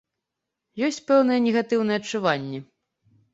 Ёсць пэўныя негатыўныя адчуванні.